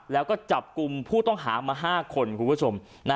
แล้วก็จับกลุ่มผู้ต้องหามา๕คน